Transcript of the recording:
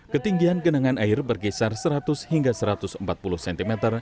ketinggian genangan air berkisar seratus hingga satu ratus empat puluh cm